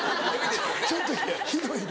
ちょっとひどいな。